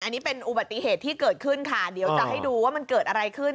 อันนี้เป็นอุบัติเหตุที่เกิดขึ้นค่ะเดี๋ยวจะให้ดูว่ามันเกิดอะไรขึ้น